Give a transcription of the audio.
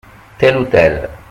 Tel ou tel.